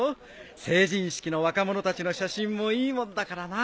成人式の若者たちの写真もいいもんだからな。